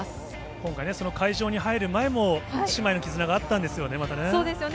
今回、会場に入る前も、姉妹の絆があったんですよね、またね。